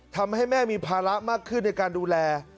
ทำให้แม่มีภาระมากขึ้นในการดูแล